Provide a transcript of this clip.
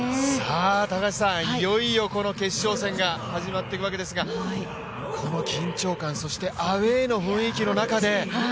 いよいよこの決勝戦が始まってくわけですがこの緊張感、そしてアウェーの雰囲気の中で。